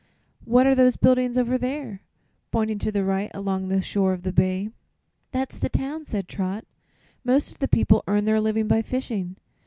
"What are those buildings over there?" pointing to the right, along the shore of the bay. "That's the town," said Trot. "Most of the people earn their living by fishing.